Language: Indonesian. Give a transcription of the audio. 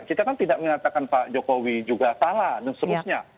kita kan tidak mengatakan pak jokowi juga salah dan seterusnya